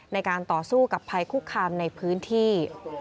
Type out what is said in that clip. ในการต่อสู้กับภัยคุกคามในพื้นที่